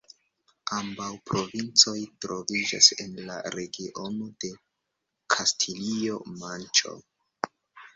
Ambaŭ provincoj troviĝas en la regiono de Kastilio-Manĉo.